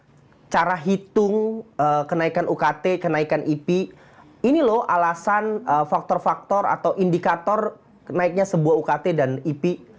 nah cara hitung kenaikan ukt kenaikan ip ini loh alasan faktor faktor atau indikator naiknya sebuah ukt dan ip